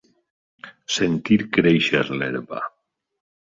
Sentir créixer l'herba.